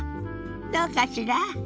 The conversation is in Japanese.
どうかしら？